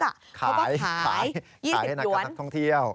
เขาก็ขาย๒๐ย้วน